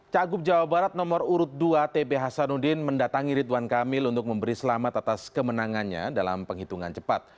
cagup jawa barat nomor urut dua tp hasanuddin mendatangi ridwan kamil untuk memberi selamat atas kemenangannya dalam penghitungan cepat